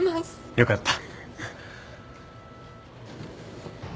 よかった。